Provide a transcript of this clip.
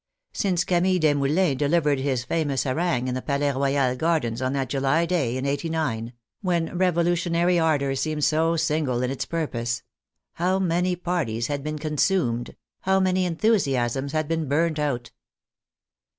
Since Camille Desmoulins delivered his famous harangue in the Palais Royal Gardens on that July day in '89, when revolutionary ardor seemed so single in its purpose — how many parties had been con sumed, how many enthusiasms had been burnt out!